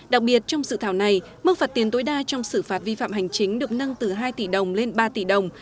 đặc biệt trong dự thảo này mức phạt tiền tối đa trong xử phạt vi phạm hành chính được nâng từ hai tỷ đồng lên ba tỷ đồng